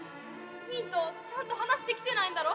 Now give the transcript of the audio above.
ミントちゃんと話できてないんだろ？